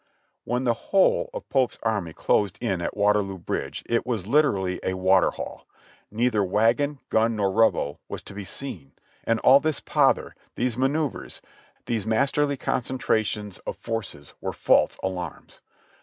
When the whole of Pope's army closed in at Waterloo Bridge it was literally a water haul ; neither wagon, gun, nor Rebel was to be seen, and all this pother, these manoeuvres, these masterly THE WRECK AFTER THE STORM 263 concentrations of forces were false alarms.